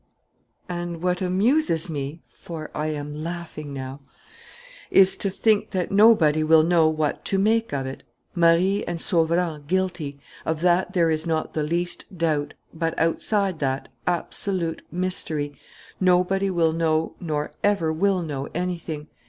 "And what amuses me for I am laughing now is to think that nobody will know what to make of it. Marie and Sauverand guilty: of that there is not the least doubt. But, outside that, absolute mystery. "Nobody will know nor ever will know anything.